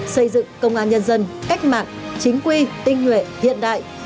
xây dựng công an nhân dân cách mạng chính quy tinh nguyện hiện đại